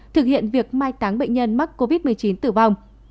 thực hiện việc mai táng bệnh nhân mắc covid một mươi chín tử vong